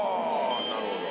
なるほど。